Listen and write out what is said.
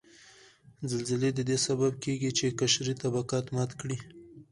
زلزلې ددې سبب کیږي چې قشري طبقات مات کړي